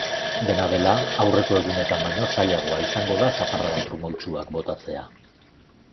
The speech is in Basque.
Dena dela, aurreko egunetan baino zailagoa izango da zaparrada trumoitsuak botatzea.